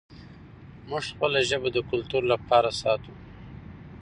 موږ خپله ژبه د کلتور لپاره ساتو.